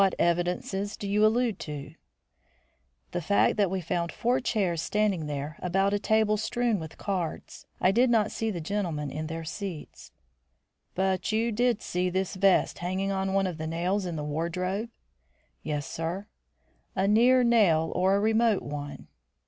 "What evidences do you allude to?" "The fact that we found four chairs standing there about a table strewn with cards. I did not see the gentlemen in their seats." "But you did see this vest hanging on one of the nails in the wardrobe?" "Yes, sir." "A near nail or a remote one?"